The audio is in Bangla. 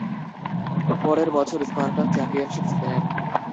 পরের বছর স্পারটাক চ্যাম্পিয়নশিপ জিতে নেন।